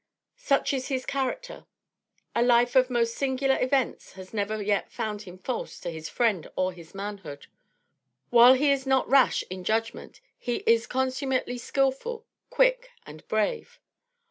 Such is his character. A life of most singular events has never yet found him false to his friend or his manhood. While he is not rash in judgment, he is consummately skillful, quick and brave.